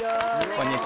こんにちは。